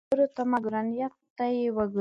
د خلکو خبرو ته مه ګوره، نیت ته یې وګوره.